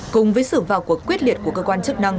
cùng với sự vào cuộc quyết liệt của cơ quan chức năng